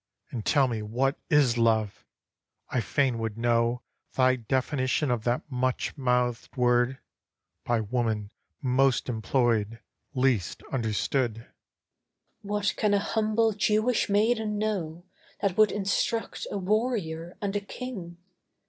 And tell me what is love! I fain would know Thy definition of that much mouthed word, By woman most employed—least understood. ESTHER What can a humble Jewish maiden know That would instruct a warrior and a king?